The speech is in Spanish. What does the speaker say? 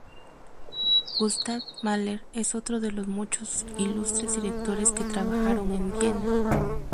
Gustav Mahler es otro de los muchos ilustres directores que trabajaron en Viena.